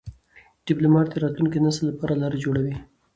ډيپلومات د راتلونکي نسل لپاره لار جوړوي.